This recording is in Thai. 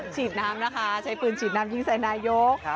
ฉีดน้ำนะคะใช้ปืนฉีดน้ำยิงใส่นายก